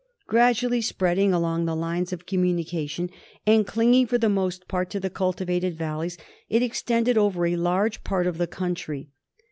Gradually spreading along the lines of communication and clinging for the most part to the cultivated valleys, it extended over a large part of the country.